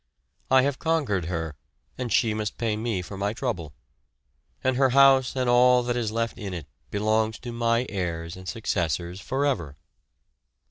I have conquered her and she must pay me for my trouble; and her house and all that is left in it belongs to my heirs and successors forever.